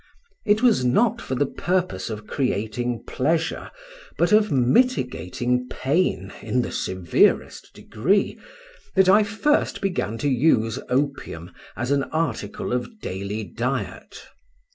It was not for the purpose of creating pleasure, but of mitigating pain in the severest degree, that I first began to use opium as an article of daily diet.